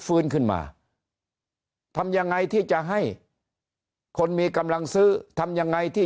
ฟื้นขึ้นมาทำยังไงที่จะให้คนมีกำลังซื้อทำยังไงที่